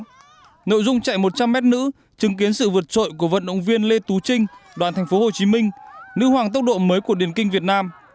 trong buổi chiều nội dung chạy một trăm linh m nữ chứng kiến sự vượt trội của vận động viên lê tú trinh đoàn thành phố hồ chí minh nữ hoàng tốc độ mới của điền kinh việt nam